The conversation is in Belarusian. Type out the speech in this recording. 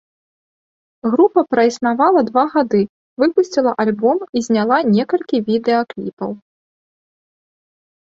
Група праіснавала два гады, выпусціла альбом і зняла некалькі відэакліпаў.